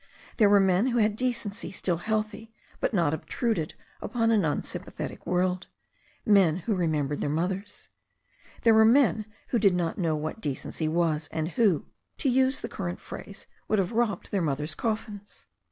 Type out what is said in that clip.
There were men who had decency still healthy, but not obtruded upon an unsympathetic world; men who remembered their mothers. There were men who did not know what decency was, and who, to use the current phrase, would have robbed their mother's coffins.